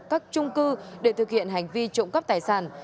các trung cư để thực hiện hành vi trộm cắp tài sản